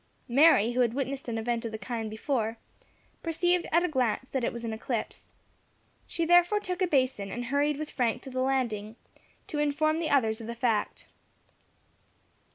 Mary, who had witnessed an event of the kind before, perceived at a glance that it was an eclipse. She therefore took a basin, and hurried with Frank to the landing, to inform the others of the fact.